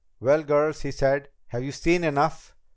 "Well, girls," he said, "have you seen enough?"